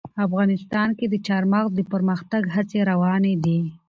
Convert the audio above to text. افغانستان کې د چار مغز د پرمختګ هڅې روانې دي.